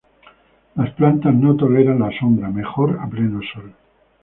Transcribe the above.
Las plantas no toleran la sombra, mejor a pleno sol.